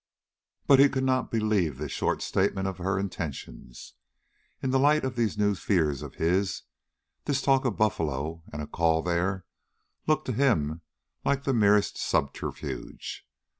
But he could not believe this short statement of her intentions. In the light of these new fears of his, this talk of Buffalo, and a call there, looked to him like the merest subterfuge.